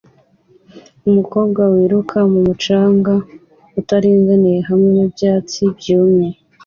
Umukobwa wiruka mu mucanga utaringaniye hamwe n'ibyatsi byumye